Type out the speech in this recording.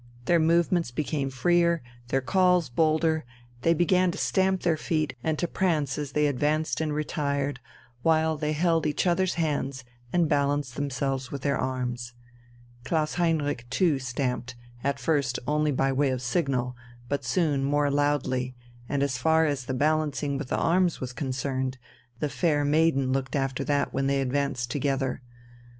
Their movements became freer, their calls bolder, they began to stamp their feet and to prance as they advanced and retired, while they held each other's hands and balanced themselves with their arms. Klaus Heinrich too stamped, at first only by way of signal, but soon more loudly; and as far as the balancing with the arms was concerned, the fair maiden looked after that when they advanced together.